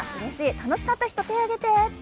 楽しかった人、手挙げて。